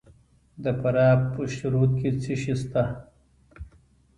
د فراه په پشترود کې څه شی شته؟